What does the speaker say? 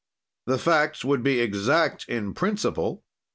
"The facts would be exact in principle.